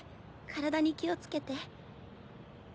体に気をつけて。